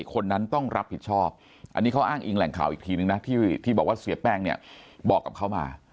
คนนั้นต้องรับผิดชอบอันนี้เขาอ้างอิงแหล่งข่าวอีกทีนึงนะที่บอกว่าเสียแป้งเนี่ยบอกกับเขามา